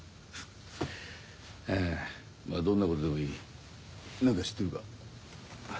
あぁどんなことでもいい何か知ってるか？